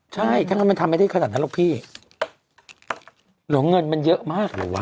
ใช่ถ้างั้นมันทำไม่ได้ขนาดนั้นหรอกพี่เหรอเงินมันเยอะมากหรือวะ